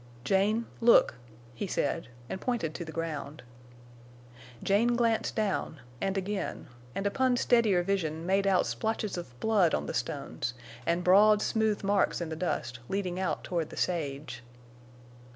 "Jane—look!" he said, and pointed to the ground. Jane glanced down, and again, and upon steadier vision made out splotches of blood on the stones, and broad, smooth marks in the dust, leading out toward the sage.